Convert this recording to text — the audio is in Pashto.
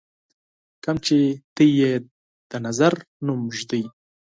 کوم چې تاسو یې د نظر نوم ږدئ.